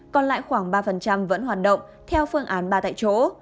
còn lại khoảng ba vẫn hoạt động theo phương án ba tại chỗ